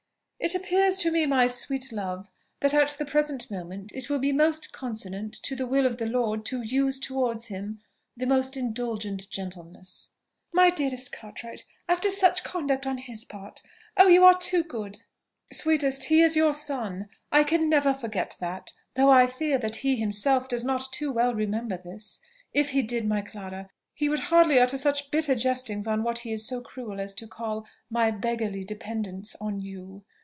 "It appears to me, my sweet love, that at the present moment it will be most consonant to the will of the Lord to use towards him the most indulgent gentleness." "My dearest Cartwright! After such conduct on his part! Oh! you are too good!" "Sweetest! he is your son. I can never forget that; though I fear that he himself does not too well remember this. If he did, my Clara! he would hardly utter such bitter jestings on what he is so cruel as to call 'my beggarly dependence' on you.